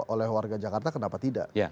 oleh warga jakarta kenapa tidak